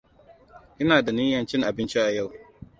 Ina da niyan chin abinci a yau.